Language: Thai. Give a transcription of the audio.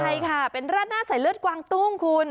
ใช่ค่ะเป็นราดหน้าใส่เลือดกวางตุ้งคุณ